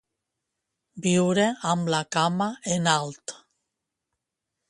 Viure amb la cama en alt.